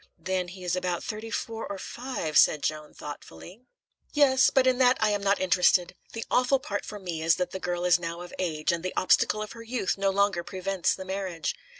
"Then he is about thirty four or five," said Joan thoughtfully. "Yes, but in that I am not interested. The awful part for me is that the girl is now of age, and the obstacle of her youth no longer prevents the marriage.